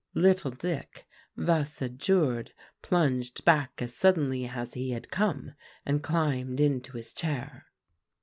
Little Dick, thus adjured, plunged back as suddenly as he had come, and climbed into his chair.